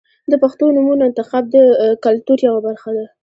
• د پښتو نومونو انتخاب د کلتور یوه برخه ده.